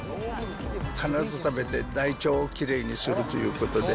必ず食べて、大腸をきれいにするということで。